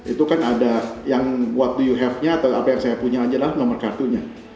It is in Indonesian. itu kan ada yang what you have nya atau apa yang saya punya adalah nomor kartunya